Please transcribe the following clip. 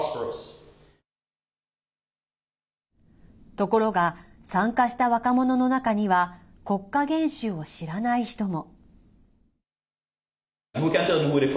ところが参加した若者の中には国家元首を知らない人も。